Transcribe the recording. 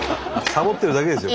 サボってるだけですよ。